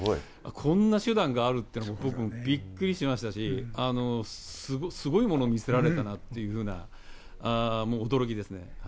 こんな手段があるっていうの、僕もびっくりしましたし、すごいものを見せられたなっていうふうな驚きですね。